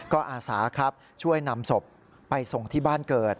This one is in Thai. ก็อาสาครับช่วยนำศพไปส่งที่บ้านเกิด